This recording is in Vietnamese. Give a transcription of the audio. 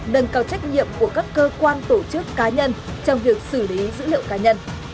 nâng cao trách nhiệm của các cơ quan tổ chức cá nhân trong việc xử lý dữ liệu cá nhân